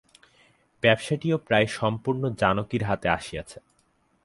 ব্যাবসাটিও প্রায় সম্পূর্ণ জানকীর হাতে আসিয়াছে।